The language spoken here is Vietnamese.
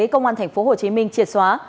công an thành phố hồ chí minh triệt xóa